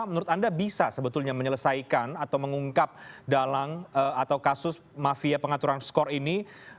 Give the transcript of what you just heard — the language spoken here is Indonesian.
menurut anda bisa sebetulnya menyelesaikan atau mengungkap dalang atau kasus mafia pengaturan skor ini